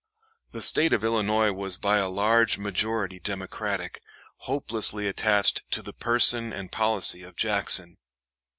The State of Illinois was by a large majority Democratic, hopelessly attached to the person and policy of Jackson.